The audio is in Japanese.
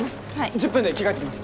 １０分で着替えてきます。